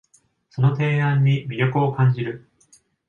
その提案に魅力を感じる